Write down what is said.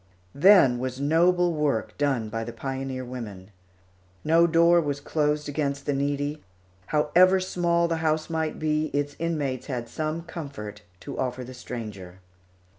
Then was noble work done by the pioneer women. No door was closed against the needy. However small the house might be, its inmates had some comfort to offer the stranger.